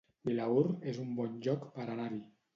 Vilaür es un bon lloc per anar-hi